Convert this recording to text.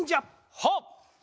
はっ！